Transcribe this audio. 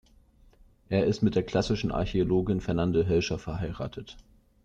Er ist mit der Klassischen Archäologin Fernande Hölscher verheiratet.